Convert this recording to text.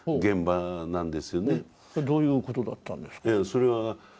それはどういうことだったんですか。